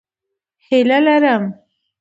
هیله لرم